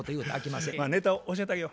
まあネタ教えてあげよ。